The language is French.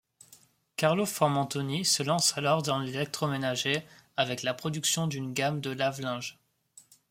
Carlo Formentini se lance alors dans l'électroménager avec la production d'une gamme de lave-linges.